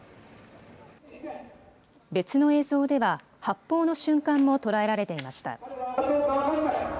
別の映像では、発砲の瞬間も捉えられていました。